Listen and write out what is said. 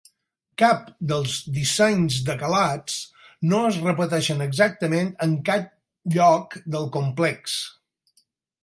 Cap dels dissenys de calats no es repeteixen exactament en cap lloc del complex.